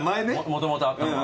もともとあったのは。